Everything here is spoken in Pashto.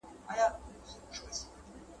لا تر څو به دي قسمت په غشیو ولي ,